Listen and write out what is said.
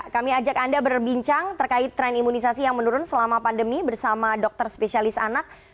kami ajak anda berbincang terkait tren imunisasi yang menurun selama pandemi bersama dokter spesialis anak